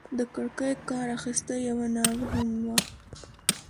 د کړکۍ کار اخیسته، یوه ناوې هم وه.